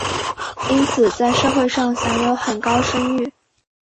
因此在社会上享有很高声誉。